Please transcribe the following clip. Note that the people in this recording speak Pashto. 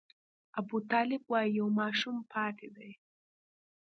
ابوطالب وايي یو ماشوم پاتې دی.